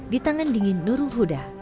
di tangan dingin nurul huda